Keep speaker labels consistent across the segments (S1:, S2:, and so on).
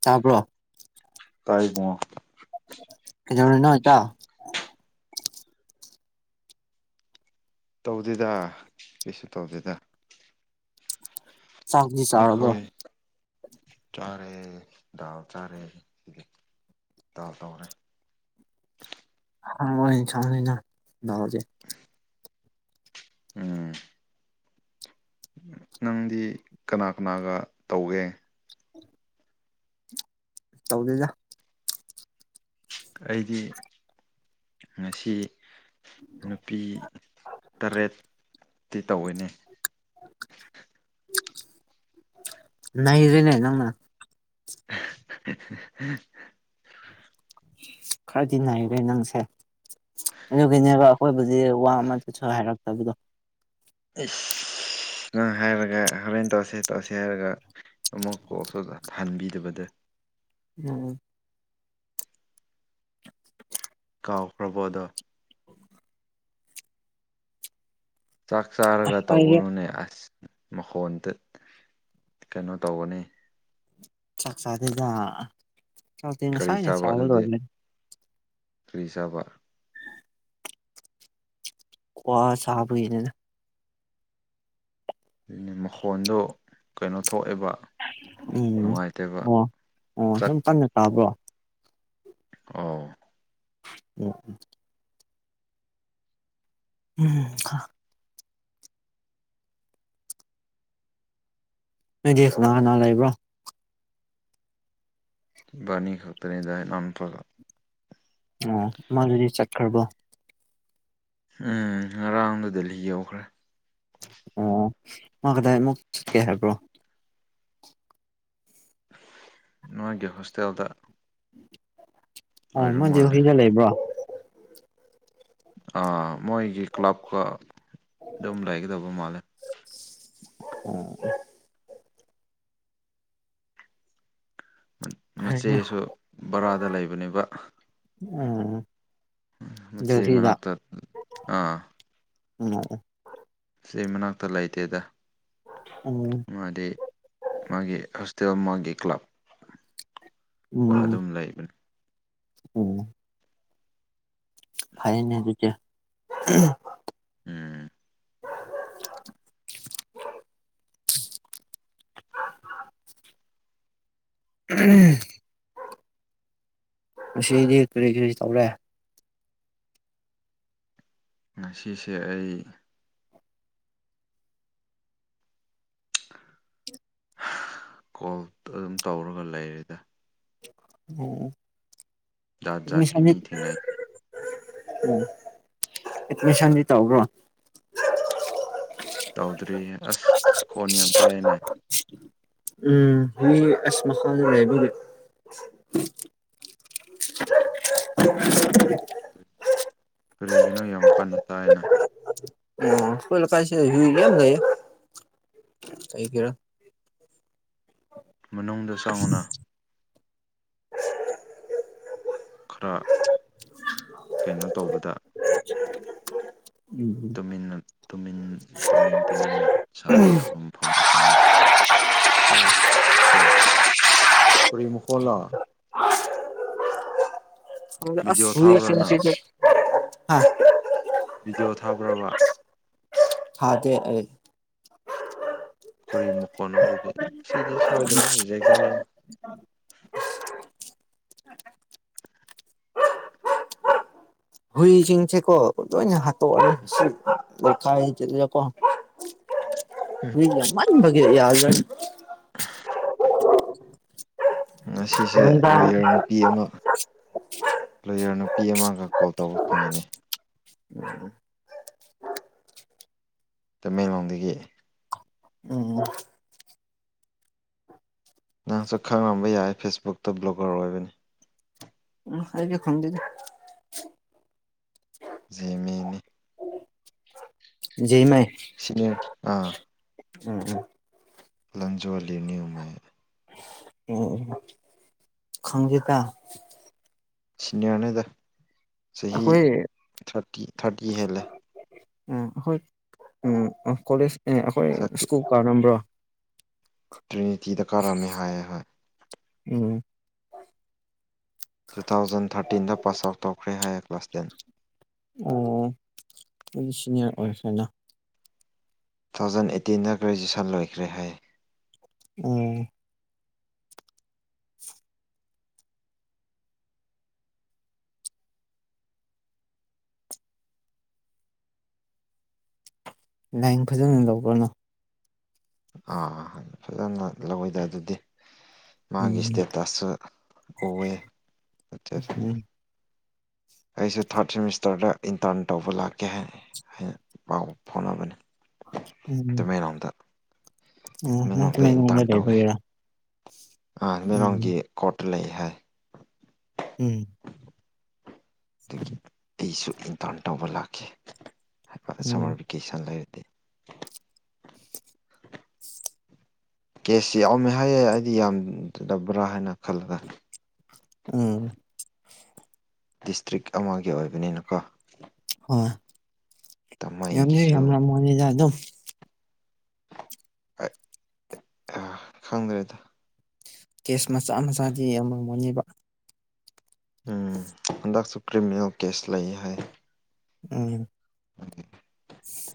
S1: ꯇꯥꯕ꯭ꯔꯣ
S2: ꯇꯥꯏ ꯏꯕꯨꯉꯣ
S1: ꯀꯩꯗꯧꯔꯤꯅꯣ ꯏꯇꯥꯎ
S2: ꯇꯧꯗꯦꯗ ꯀꯩꯁꯨ ꯇꯧꯗꯦꯗ
S1: ꯆꯥꯛꯇꯤ ꯆꯥꯔꯕꯣ
S2: ꯑꯩꯈꯣꯏ ꯆꯥꯔꯦ ꯗꯥꯜ ꯆꯥꯔꯦ ꯗꯥꯜ ꯇꯧꯔꯦ
S1: ꯃꯣꯏ ꯁꯟꯅꯕꯅꯤꯅ ꯗꯥꯜꯗꯤ
S2: ꯎꯝ ꯅꯪꯗꯤ ꯀꯅꯥ ꯀꯅꯥꯒ ꯇꯧꯋꯦ
S1: ꯇꯧꯗꯦꯗ
S2: ꯑꯩꯗꯤ ꯉꯁꯤ ꯅꯨꯄꯤ ꯇꯔꯦ ꯇꯤ ꯇꯧꯋꯦꯅꯦ
S1: ꯅꯩꯔꯦꯅꯦ ꯅꯪꯅ
S2: [unintelligible]
S1: ꯈꯔꯗꯤ ꯅꯥꯏꯔꯦ ꯅꯪꯁꯦ ꯑꯗꯨꯒꯤꯅꯦꯕ ꯑꯈꯣꯏꯕꯨꯗꯤ ꯋꯥ ꯑꯃ ꯆꯠꯁꯨ ꯍꯥꯏꯔꯛꯇꯕꯗꯣ
S2: ꯑꯦꯁ ꯑ ꯅꯪ ꯍꯥꯏꯔꯒ ꯍꯣꯔꯦꯟ ꯇꯧꯁꯤ ꯇꯧꯁꯦ ꯍꯥꯏꯔꯒ ꯑꯃꯨꯛ ꯀꯣꯜꯁꯨ ꯐꯍꯟꯕꯤꯗꯕꯗꯣ
S1: ꯎꯝ
S2: ꯀꯥꯎꯈ꯭ꯔꯕꯗꯣ ꯆꯥꯛ ꯆꯥꯔꯒ
S1: ꯑꯩꯗꯤ
S2: ꯇꯧꯒꯅꯨꯅꯦ ꯑꯁ ꯃꯈꯣꯟꯗ ꯀꯩꯅꯣ ꯇꯧꯒꯅꯤ
S1: ꯆꯥꯛ ꯆꯥꯗꯦꯗ ꯆꯥꯛꯇꯤ
S2: ꯀꯔꯤ
S1: ꯉꯁꯥꯏꯅ ꯆꯕ ꯂꯣꯏꯕꯅꯦ
S2: ꯀ꯭ꯔꯤ ꯆꯥꯕ
S1: ꯀꯋꯥ ꯆꯥꯕꯒꯤꯅꯦꯗ
S2: ꯑꯗꯨ ꯃꯈꯣꯟꯗꯣ ꯀꯩꯅꯣ ꯊꯣꯛꯑꯦꯕ
S1: ꯎꯝ
S2: ꯅꯨꯡꯉꯥꯏꯇꯦꯕ
S1: ꯑꯣ ꯑꯣ
S2: ꯆꯠ
S1: ꯁꯨꯝ ꯀꯟꯅ ꯇꯥꯕ꯭ꯔꯣ
S2: ꯑꯣ
S1: ꯑꯣꯝ ꯎꯝ ꯅꯣꯏꯗꯤ ꯀꯅꯥ ꯀꯅꯥ ꯂꯩꯕ꯭ꯔꯣ
S2: ꯏꯕꯥꯅꯤ ꯈꯛꯇꯅꯦꯗ ꯏꯅꯥꯎ ꯅꯨꯄꯥꯒ
S1: ꯑꯣ ꯃꯥꯗꯨꯗꯤ ꯆꯠꯈ꯭ꯔꯕꯣ
S2: ꯎꯝ ꯉꯔꯥꯡꯗ ꯗꯦꯜꯂꯤ ꯌꯧꯈ꯭ꯔꯦ
S1: ꯑꯣ ꯑꯣ ꯃꯥ ꯀꯗꯥꯏ ꯑꯃꯨꯛ ꯆꯠꯀꯦ ꯍꯥꯏꯕ꯭ꯔꯣ
S2: ꯅꯣꯏꯒꯤ ꯍꯣꯁꯇꯦꯜꯗ
S1: ꯑꯣ
S2: ꯑꯣꯏꯔ
S1: ꯃꯣꯏꯗꯤ
S2: ꯃꯥꯜꯂꯦ
S1: ꯍꯨꯏꯗ ꯂꯩꯕ꯭ꯔꯣ
S2: ꯑꯥ ꯃꯣꯏꯒꯤ ꯀ꯭ꯂꯕꯀꯥ ꯑꯗꯨꯝ ꯂꯩꯒꯗꯕ ꯃꯥꯜꯂꯦ
S1: ꯑꯣ ꯐꯩꯅꯦ
S2: ꯃꯆꯦꯁꯨ ꯕꯔꯥꯗ ꯂꯩꯕꯅꯦꯕ
S1: ꯑꯣ
S2: ꯃꯆꯦ ꯃꯅꯥꯛꯇ ꯑꯥ
S1: ꯑꯣ ꯑꯣ
S2: ꯆꯦ ꯃꯅꯥꯛꯇ ꯂꯩꯇꯦꯗ
S1: ꯎꯝ
S2: ꯃꯥꯗꯤ ꯃꯥꯒꯤ ꯍꯣꯁꯇꯦꯜ ꯃꯥꯒꯤ ꯀ꯭ꯂꯕ ꯑꯗꯨꯝ ꯂꯩꯕꯅꯤ
S1: ꯑꯣ ꯐꯥꯏꯅꯦ ꯑꯗꯨ
S2: ꯎꯝ
S1: ꯉꯁꯤꯗꯤ ꯀꯔꯤ ꯀꯔꯤ ꯇꯧꯔꯦ
S2: ꯉꯁꯤꯁꯦ ꯑꯩ ꯀꯣꯜ ꯑꯗꯨꯝ ꯇꯧꯔꯒ ꯂꯩꯔꯤꯗ
S1: [unintelligible] ꯎꯝ
S2: ꯖꯥꯠ ꯖꯥꯠꯀꯤ ꯃꯤ ꯊꯦꯡꯅꯩ
S1: ꯑꯦꯠꯃꯤꯁꯟꯗꯤ ꯇꯧꯕ꯭ꯔꯣ
S2: ꯇꯧꯗ꯭ꯔꯤꯌꯦ ꯑꯁ ꯈꯣꯟ ꯌꯥꯝ ꯇꯥꯏꯌꯦꯅꯦ
S1: ꯎꯝ ꯃꯤ ꯑꯁ ꯃꯥꯈꯣꯟꯗ ꯂꯩꯕꯒꯤ [unintelligible]
S2: ꯀꯔꯤꯒꯤꯅꯣ ꯌꯥꯝ ꯀꯥꯟꯅ ꯇꯥꯏꯅ
S1: ꯑꯈꯣꯏ ꯂꯩꯀꯥꯏꯁꯦ ꯌꯨ ꯃꯌꯥꯝ ꯂꯩꯌꯦ ꯀꯩꯒꯤꯔꯥ
S2: ꯃꯅꯨꯡꯗ ꯆꯪꯉꯨꯅ ꯈꯔ ꯀꯩꯅꯣ ꯇꯧꯕꯗ
S1: [unintelligible]
S2: ꯇꯨꯃꯤꯟꯅ ꯇꯨꯃꯤꯟ ꯇꯨꯃꯤꯟ ꯇꯨꯃꯤꯟꯅ ꯁꯥꯕ ꯌꯥꯕ ꯃꯐꯝꯗ ꯆꯪꯉꯛ ꯑꯣ ꯇꯔꯤꯃꯈꯣꯂꯥ ꯚꯤꯗꯤꯑꯣ ꯊꯥꯕ꯭ꯔꯥ ꯅꯪ
S1: ꯑꯁꯨꯏꯁꯁꯤꯗꯤ ꯍꯥ
S2: ꯕꯤꯗꯤꯑꯣ ꯊꯥꯕ꯭ꯔꯕ
S1: ꯍꯗꯤ
S2: ꯀꯨꯔꯤ ꯃꯈꯣꯟꯅꯣ ꯑꯗꯨꯗꯤ ꯑꯦ ꯁꯤꯗꯤ ꯁꯣꯏꯗ꯭ꯔꯦ ꯔꯤꯖꯦꯛ ꯆꯜꯂꯅꯤ
S1: ꯍꯨꯏꯁꯤꯡꯁꯦꯀꯣ ꯂꯣꯏꯅ ꯍꯥꯠꯇꯣꯛꯑꯅꯤ ꯂꯩꯥꯏꯁꯤꯗꯀꯣ ꯎꯃꯅꯤꯕꯒ ꯌꯥꯖ
S2: ꯉꯁꯤꯁꯦ
S1: ꯅꯨꯡꯗꯥꯡ
S2: ꯂꯣꯌꯔ ꯅꯨꯄꯤ ꯑꯃ ꯂꯣꯌꯔ ꯅꯨꯄꯤ ꯑꯃꯒ ꯀꯣꯜ ꯇꯧꯕ ꯐꯪꯒꯅꯤ
S1: ꯎ
S2: ꯇꯃꯦꯡꯂꯣꯡꯗꯒꯤ
S1: ꯎꯝ
S2: ꯅꯪꯁꯨ ꯈꯪꯉꯝꯕ ꯌꯥꯏ ꯐꯦꯁꯕꯨꯛꯇ ꯕ꯭ꯂꯣꯒꯔ ꯑꯣꯏꯕꯅꯤ
S1: ꯎ ꯑꯩꯗꯤ ꯈꯪꯗꯗꯤ
S2: ꯖꯦꯃꯤꯅꯤ
S1: ꯃꯥꯏ
S2: ꯁꯤꯅꯦ ꯑꯥ
S1: ꯎꯝ ꯎꯝ
S2: ꯂꯪꯖꯣꯔ ꯂꯩꯅꯤꯌꯨ ꯃ
S1: ꯑꯣ ꯈꯪꯖꯀ
S2: ꯁꯤꯅꯤꯌꯥꯔꯅꯤꯗ ꯆꯍꯤ
S1: ꯑꯩꯈꯣꯏ
S2: ꯊꯥꯔꯇꯤ ꯊꯥꯔꯇꯤ ꯍꯦꯜꯂꯦ
S1: ꯎ ꯑꯩꯈꯣꯏ ꯎ ꯀꯣꯂꯦꯖ ꯑꯦ ꯑꯩꯈꯣꯏ
S2: ꯁꯛꯇꯤ
S1: ꯁ꯭ꯀꯨꯜ ꯀꯥꯔꯝꯕ꯭ꯔꯣ
S2: ꯇ꯭ꯔꯤꯅꯤꯇꯤꯗ ꯀꯥꯔꯝꯃꯦ ꯍꯥꯏꯌꯦ ꯍꯥꯏꯣꯏ
S1: ꯑꯣꯝ
S2: ꯇꯨ ꯊꯥꯎꯖꯟ ꯊꯥꯔꯇꯤꯟꯗ ꯄꯥꯁ ꯑꯥꯎꯠ ꯇꯧꯈ꯭ꯔꯦ ꯍꯥꯏꯌꯦ ꯀ꯭ꯂꯥꯁ ꯇꯦꯟ
S1: ꯑꯣ ꯑꯩꯗꯤ ꯁꯤꯅꯤꯌꯔ ꯑꯣꯏꯈ꯭ꯔꯦꯅ
S2: ꯇꯨ ꯊꯥꯎꯖꯟ ꯑꯩꯠꯇꯤꯟꯗ ꯒ꯭ꯔꯦꯖꯨꯑꯦꯁꯟ ꯂꯣꯏꯈ꯭ꯔꯦ ꯍꯥꯏ
S1: ꯎꯝ ꯂꯥꯏꯟ ꯐꯖꯅ ꯂꯧꯕꯅꯣ
S2: ꯑꯥ ꯐꯖꯅ ꯂꯧꯋꯤꯗ ꯑꯗꯨꯗꯤ ꯃꯥꯒꯤ
S1: ꯎꯝ
S2: ꯏꯁꯇꯦꯇꯁꯁꯨ ꯎꯑ
S1: ꯎꯝ
S2: ꯑꯩꯁꯨ ꯊꯥꯔꯠ ꯁꯦꯃꯤꯁꯇꯔꯗ ꯏꯟꯇꯔꯟ ꯇꯧꯕ ꯂꯥꯛꯀꯦ ꯍꯥꯏ ꯍꯥꯏ ꯄꯥꯎ ꯐꯥꯎꯅꯕꯅꯤ
S1: ꯎ
S2: ꯇꯃꯦꯡꯂꯣꯡꯗ
S1: ꯑ ꯃ ꯂꯩꯕꯒꯦꯔꯥ
S2: ꯑꯃꯦꯔꯣꯡꯒꯤ ꯀꯣꯔꯠꯇ ꯂꯩ ꯍꯥꯏ
S1: ꯎꯝ
S2: ꯑꯗꯒꯤ ꯑꯩꯁꯨ ꯏꯟꯇꯔꯟ ꯇꯧꯕ ꯂꯥꯛꯈꯤ ꯍꯥꯏꯕ
S1: ꯎꯝ
S2: ꯁꯝꯃꯔ ꯚꯦꯀꯦꯁꯟ ꯂꯩꯔꯗꯤ ꯀꯦꯁꯁꯤ ꯌꯥꯎꯃꯦ ꯍꯥꯏꯌꯦ ꯑꯩꯗꯤ ꯌꯥꯝꯗꯗꯕ꯭ꯔꯥ ꯍꯥꯏꯅ ꯈꯜꯂꯒ
S1: ꯎꯝ
S2: ꯗꯤꯁꯇ꯭ꯔꯤꯛ ꯑꯃꯒꯤ ꯑꯣꯏꯕꯅꯤꯅꯀꯣ
S1: ꯍꯣꯏ ꯌꯥꯝ
S2: ꯇꯥꯃꯩꯒꯤꯁꯨ
S1: ꯌꯥꯝꯅ ꯃꯅꯤꯗ ꯑꯗꯨꯝ
S2: ꯈꯪꯗ꯭ꯔꯦꯗ
S1: ꯀꯦꯁ ꯃꯆꯥ ꯃꯆꯥꯗꯤ ꯌꯥꯝꯔꯝꯃꯣꯏꯅꯦꯕ
S2: ꯎꯝ ꯍꯟꯗꯛꯁꯨ ꯀ꯭ꯔꯤꯃꯤꯅꯦꯜ ꯀꯦꯁ ꯂꯩ ꯍꯥꯏ
S1: ꯎꯝ
S2: ꯎ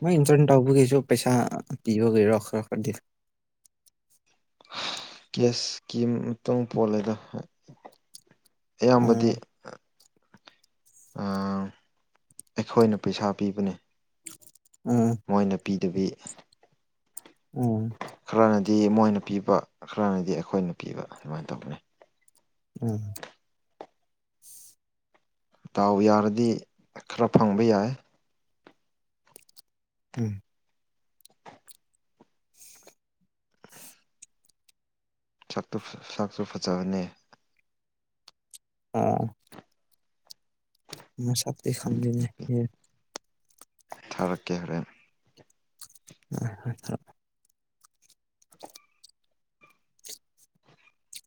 S1: ꯃꯣꯏ ꯏꯟꯇꯔꯅꯦ ꯇꯧꯕꯈꯩꯁꯨ ꯄꯩꯁꯥ ꯄꯤꯕꯈꯔꯣ ꯈꯔ ꯈꯔꯗꯤ
S2: ꯀꯁꯀꯤꯤ ꯃꯇꯨꯡ ꯄꯣꯜꯂꯦꯗ ꯍꯥꯏ ꯑꯌꯥꯝꯕꯗꯤ
S1: ꯎꯝ
S2: ꯑꯩꯈꯣꯏꯅ ꯄꯩꯁꯥ ꯄꯤꯕꯅꯦ
S1: ꯎꯝ
S2: ꯃꯣꯏꯅ ꯄꯤꯗꯕꯤ
S1: ꯎꯝ
S2: ꯈꯔꯅꯗꯤ ꯃꯣꯏꯅ ꯄꯤꯕ ꯈꯔꯅꯗꯤ ꯑꯩꯈꯣꯏꯅ ꯄꯤꯕ ꯑꯗꯨꯃꯥꯏꯅ ꯇꯧꯕꯅꯦ
S1: ꯎꯝ
S2: ꯇꯥꯎ ꯌꯥꯔꯗꯤ ꯈꯔ ꯐꯪꯕ ꯌꯥꯏ
S1: ꯎꯝ
S2: ꯥꯛꯇ ꯆꯥꯛꯁꯨ ꯐꯖꯕꯅꯦ
S1: ꯑꯥ ꯃꯥ ꯁꯞꯤ ꯈꯪꯒꯅꯦ
S2: ꯊꯥꯔꯛꯀꯦ ꯍꯣꯔꯦꯟ
S1: ꯑ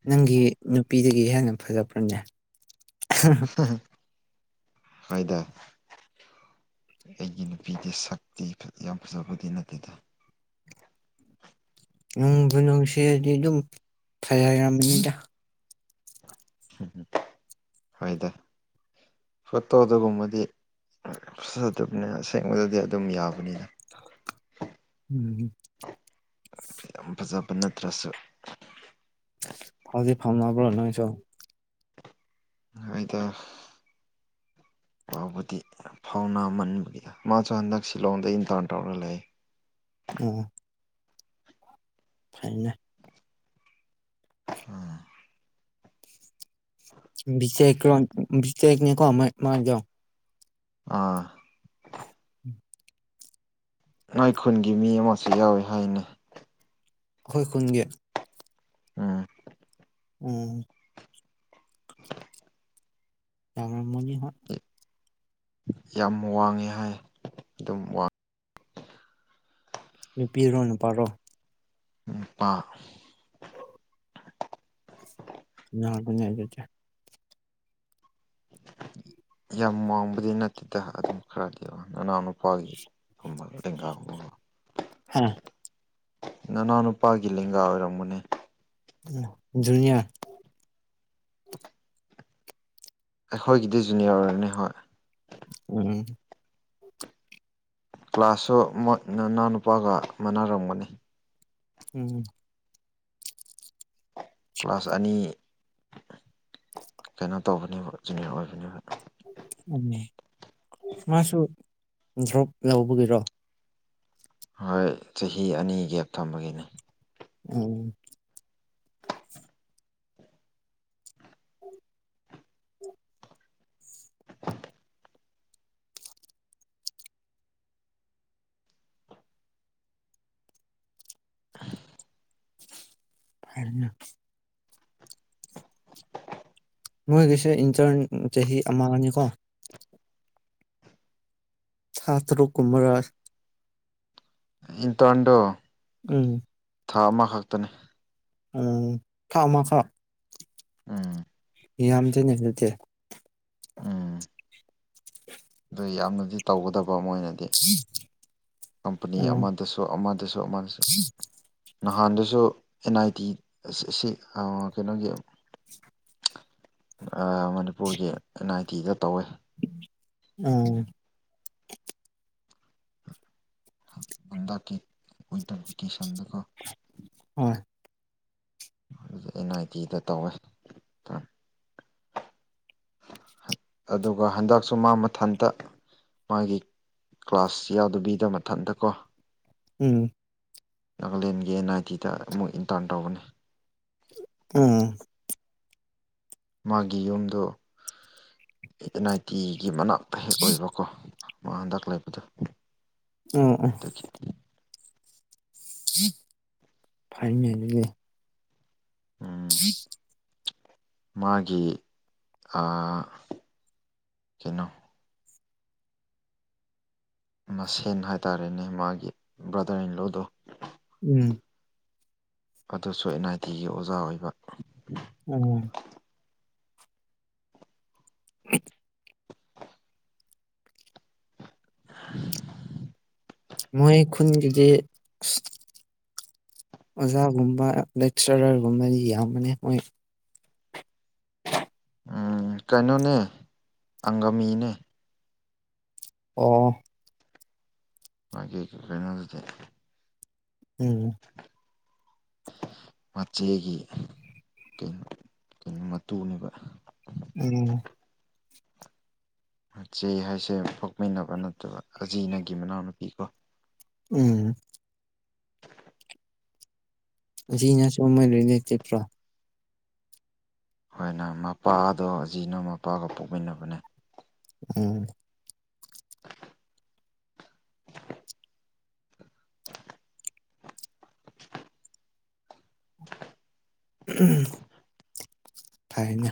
S1: ꯅꯪꯒꯤ ꯅꯨꯄꯤꯗꯒꯤ ꯍꯦꯟꯅ ꯐꯖꯕ꯭ꯔꯅꯦ
S2: ꯐꯥꯏꯗ ꯑꯩꯒꯤ ꯅꯨꯄꯤꯗꯤ ꯁꯛꯇꯤ ꯌꯥꯝ ꯐꯖꯕꯗꯤ ꯅꯠꯇꯦꯗ
S1: ꯅꯨꯡꯕꯨ ꯅꯨꯡꯁꯤꯔꯗꯤ ꯑꯗꯨꯝ ꯐꯔꯃꯅꯤꯗ
S2: ꯎꯝ ꯍꯣꯏꯗ ꯐꯣꯇꯣ ꯑꯗꯨꯒꯨꯝꯕꯗꯤ ꯐꯗꯕꯅꯤ ꯑꯁꯦꯡꯕꯗꯗꯤ ꯑꯗꯨꯝ ꯌꯥꯕꯅꯤꯅ
S1: ꯎꯝ
S2: ꯌꯥꯝ ꯐꯖꯕ ꯅꯠꯇ꯭ꯔꯁꯨ
S1: ꯐꯥꯎꯖꯤ ꯐꯥꯝ ꯅ꯭ꯔꯣꯅꯉꯁꯨꯣ
S2: ꯗ ꯐꯥꯎꯕꯗꯤ ꯐꯥꯎꯅꯥ ꯃꯟꯕꯒꯤ ꯃꯥꯁꯨ ꯍꯟꯗꯛ ꯁꯤꯂꯣꯡꯗ ꯏꯟꯇꯔꯟ ꯇꯧꯔꯒ ꯂꯩ
S1: ꯑ ꯐꯥꯏꯅ
S2: ꯎꯝ
S1: ꯕꯤꯖꯦꯛꯣꯟ ꯕꯤꯖꯦꯛꯅꯦꯀꯣ ꯃꯥꯡꯗꯣ
S2: ꯑꯥ ꯉꯥꯏ ꯈꯨꯟꯒꯤ ꯃꯤ ꯑꯃꯁꯨ ꯌꯥꯎꯋꯤ ꯍꯥꯏꯅꯩ
S1: ꯑꯩꯈꯣꯏ ꯈꯨꯟꯒꯤ
S2: ꯎꯝ
S1: ꯎꯝ ꯌꯥꯝ ꯃꯣꯏ ꯍꯥ
S2: ꯌꯥꯝ ꯋꯥꯡꯉꯦ ꯍꯥꯏ ꯑꯗꯨꯝ ꯋꯥꯡꯉ
S1: ꯅꯨꯄꯤꯔꯣ ꯅꯨꯄꯥꯔꯣ
S2: ꯅꯨꯄꯥ
S1: ꯅꯒꯅ ꯆꯦ
S2: ꯌꯥꯝ ꯋꯥꯡꯕꯗꯤ ꯅꯠꯇꯦꯗ ꯑꯗꯨꯝ ꯈꯔꯗꯤꯕ ꯅꯅꯥꯎꯅ, ꯀꯌꯥ ꯅꯨꯄꯥꯒꯤ ꯀꯒꯥ ꯀꯃ
S1: ꯍꯥ
S2: ꯅꯅꯥꯎ ꯅꯨꯄꯥꯒꯤ ꯂꯦꯡꯒꯥ ꯑꯣꯏꯔꯝꯃꯅꯦ
S1: ꯖꯅꯌꯥ
S2: [inaudible] ꯑꯩꯈꯣꯏꯒꯤꯗꯤ ꯖꯨꯅꯤꯌꯔ ꯑꯣꯏꯔꯅꯤ ꯍꯣꯏ
S1: ꯎꯝ
S2: ꯀ꯭ꯂꯥꯁꯁꯨ ꯃꯣꯏ ꯅꯅꯥꯎ ꯅꯨꯨꯄꯥꯒ ꯃꯅꯔꯝꯒꯅꯤ
S1: ꯎꯝ
S2: ꯀ꯭ꯂꯥꯁ ꯑꯅꯤ ꯀꯩꯅꯣ ꯇꯧꯕꯅꯦꯕ ꯖꯨꯅꯤꯌꯔ ꯑꯣꯏꯕꯅꯦꯕ
S1: ꯎ ꯃꯥꯁꯨ ꯊ꯭ꯔꯞ ꯂꯧꯕꯒꯤꯔꯣ
S2: ꯍꯣꯏ ꯆꯍꯤ ꯑꯅꯤ ꯒꯦꯞ ꯊꯝꯕꯒꯤꯅꯦ
S1: ꯎꯝ
S2: [inaudible]
S1: ꯍꯥꯏꯅ ꯅꯣꯏꯒꯤꯁꯦ ꯏꯟꯆꯥꯡ ꯆꯍꯤ ꯑꯃꯅꯤ ꯀꯣ ꯊꯥ ꯇꯔꯨꯛ ꯀꯨꯝꯃꯔ
S2: ꯏꯟ ꯇꯔꯟꯑꯗꯣ
S1: ꯎꯝ
S2: ꯊꯥ ꯑꯃꯈꯛꯇꯅꯤ
S1: ꯎꯝ ꯊꯥꯎ ꯃꯈꯥ
S2: ꯎꯝ
S1: ꯌꯥꯝꯗꯦꯅꯦ ꯑꯗꯨꯗꯤ
S2: ꯎꯝ ꯑꯗꯨ ꯌꯥꯝꯅꯗꯤ ꯇꯧꯒꯗꯕ ꯃꯣꯏꯅꯗꯤ ꯀꯝꯄꯅꯤ
S1: ꯎꯝ
S2: ꯑꯃꯟ ꯗꯁꯨ ꯑꯃꯗꯁꯨ ꯑꯃꯗꯁꯨ ꯅꯍꯥꯟꯗꯁꯨ ꯑꯦꯟ ꯑꯥꯏ ꯇꯤ ꯑꯁꯤ ꯁꯤ ꯑ ꯀꯩꯅꯣꯒꯤ
S1: [inaudible]
S2: ꯑ ꯃꯅꯤꯄꯨꯔꯒꯤ ꯑꯦꯟ ꯑꯥꯏ ꯇꯤꯗ ꯇꯧꯋꯦ
S1: ꯑꯣ
S2: ꯍꯟꯗꯛꯀꯤ ꯋꯤꯟꯇꯔ ꯚꯤꯀꯦꯁꯟꯗꯒꯣ
S1: ꯍꯣꯏ
S2: ꯑꯗꯨꯗ ꯑꯦꯟ ꯑꯥꯏ ꯇꯤꯗ ꯇꯧꯋꯦ ꯑꯗꯨꯒ ꯍꯟꯗꯛꯁꯨ ꯃꯥ ꯃꯊꯟꯇ ꯃꯥꯒꯤ ꯀ꯭ꯂꯥꯁ ꯌꯥꯎꯗꯕꯤꯗ ꯃꯊꯟꯇꯀꯣ
S1: ꯎꯝ
S2: ꯅꯥꯒꯥꯂꯦꯟꯒꯤ ꯑꯦꯟ ꯑꯥꯏ ꯇꯤꯗ ꯑꯃꯨꯛ ꯏꯟꯇꯥꯔꯟ ꯇꯧꯕꯅꯤ
S1: ꯎꯝ
S2: ꯃꯥꯒꯤ ꯌꯨꯝꯗꯣ ꯑꯦꯟ ꯑꯥꯏ ꯇꯤꯒꯤ ꯃꯅꯥꯛꯇ ꯍꯦꯛ ꯑꯣꯏꯕꯀꯣ ꯃꯥ ꯍꯟꯗꯛ ꯂꯩꯕꯗꯣ
S1: ꯑꯣ ꯑꯣ
S2: [unintelligible]
S1: ꯐꯩꯅꯦ ꯑꯗꯨꯗꯤ
S2: ꯎꯝ
S1: [inaudible]
S2: ꯃꯥꯒꯤ ꯑ ꯀꯩꯅꯣ ꯃꯁꯦꯟ ꯍꯥꯏꯇꯥꯔꯦꯅꯦ ꯃꯥꯒꯤ ꯕ꯭ꯔꯥꯗꯔ ꯏꯟꯂꯣꯗꯣ
S1: ꯎꯝ
S2: ꯑꯗꯨꯁꯨ ꯑꯦꯟ ꯑꯥꯏ ꯇꯤꯒꯤ ꯑꯣꯖꯥ ꯑꯣꯏꯕ
S1: ꯑꯣ [inaudible]
S2: [inaudible]
S1: ꯃꯣꯏ ꯈꯨꯟꯒꯤꯗꯤ ꯏꯁ ꯑꯣꯖꯥꯒꯨꯝꯕ ꯂꯦꯛꯆꯔ꯭ꯔꯒꯨꯝꯕꯗꯤ ꯌꯥꯝꯕꯅꯦ ꯃꯣꯏ
S2: ꯎꯝ ꯀꯩꯅꯣꯅꯦ ꯑꯪꯒꯃꯤꯅꯦ
S1: ꯑꯣ
S2: ꯃꯥꯒꯤ ꯀꯩ ꯀꯩꯅꯣꯗꯨꯗꯤ
S1: ꯎꯝ
S2: ꯃꯆꯦꯒꯤ ꯀꯩ ꯀꯩꯅꯣ ꯃꯇꯨꯅꯦꯕ
S1: ꯑꯣ
S2: ꯃꯆꯦ ꯍꯥꯏꯁꯦ ꯄꯣꯛꯃꯤꯟꯅꯕ ꯅꯠꯇꯕ ꯑꯖꯤꯅꯒꯤ ꯃꯅꯥꯎꯅꯨꯄꯤ ꯀꯣ
S1: ꯎꯝ
S2: [inaudible]
S1: ꯑꯖꯤꯅꯁꯨ ꯃꯣꯏ ꯔꯤꯂꯩꯇꯤꯚ ꯂꯣ
S2: ꯍꯣꯏꯅ ꯃꯄꯥꯗꯣ ꯑꯖꯤꯅ ꯃꯄꯥꯒ ꯄꯣꯛꯃꯤꯟꯅꯕꯅꯦ
S1: ꯑꯣ
S2: [inaudible]
S1: ꯎꯝ ꯐꯩꯌꯩꯅꯦ